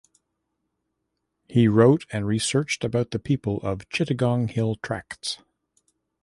He wrote and researched about the people of Chittagong Hill Tracts.